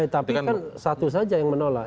tapi kan satu saja yang menolak